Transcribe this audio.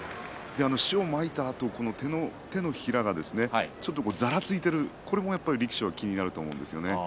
塩をまいたあと手のひらがざらついているこれも力士は気になると思うんですね。